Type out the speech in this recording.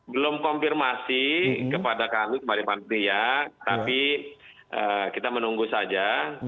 belum konfirmasi kepada kami kembali mari ya tapi kita menunggu saja